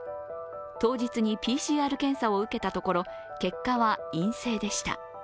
当日にＰＣＲ検査を受けたところ、結果は陰性でした。